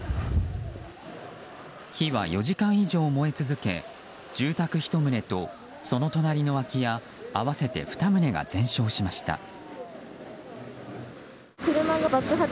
火は４時間以上燃え続け住宅１棟と、その隣の空き家合わせて２棟が全焼しました。